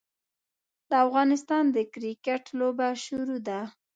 د افغانستان د کرکیټ لوبه شروع ده.